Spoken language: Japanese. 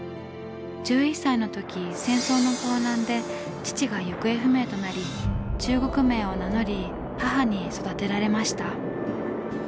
１１歳の時戦争の混乱で父が行方不明となり中国名を名乗り母に育てられました。